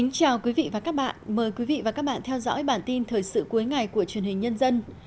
chào mừng quý vị đến với bản tin thời sự cuối ngày của truyền hình nhân dân